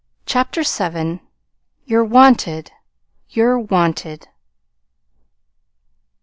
CHAPTER VII "YOU'RE WANTED YOU'RE WANTED!"